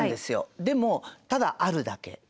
でもただあるだけ。